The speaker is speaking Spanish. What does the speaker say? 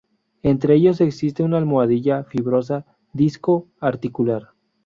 Entre ellos existe una almohadilla fibrosa: Disco articular.